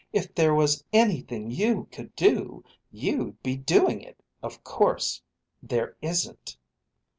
"If there was anything you could do, you'd be doing it, of course. There isn't."